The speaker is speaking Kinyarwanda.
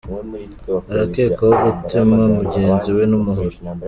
Arakekwaho gutema mugenzi we n’umuhoro